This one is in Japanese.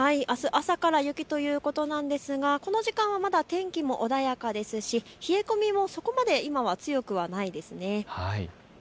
あす朝から雪ということなんですがこの時間はまだ天気も穏やかですし冷え込みもそこまで今は強くはないです。